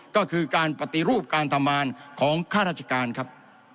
ก็คือการปฏิรูปการทำงานของข้าราชการครับ